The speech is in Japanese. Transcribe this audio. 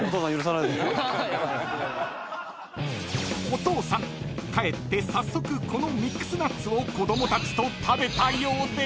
［お父さん帰って早速このミックスナッツを子供たちと食べたようで］